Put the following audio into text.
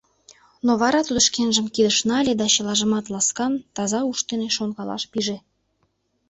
Но вара тудо шкенжым кидыш нале да чылажым ласкуан, таза уш дене шонкалаш пиже.